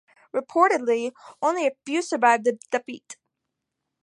Reportedly, only a few survived the defeat.